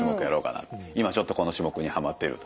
今ちょっとこの種目にハマってるとかね。